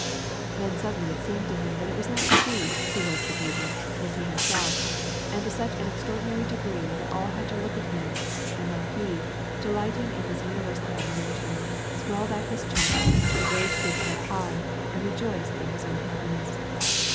Then suddenly it seemed to him that it was not she who was the beauty, but he himself, and to such an extraordinary degree tliat all had to look at him, and that he, delighting in this universal admiration, swelled out his chest, raised his hea<l high, and rejoiced in his own happi ness.